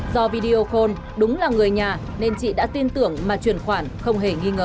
do video call đúng là người nhà nên chị đã tin tưởng mà truyền khoản không hề nghi ngờ